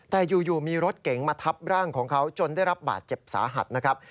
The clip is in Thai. แต่อยู่มีรถเก๋งมาทับร่างของเขาจนได้รับบาดเจ็บสาหัสนะครับ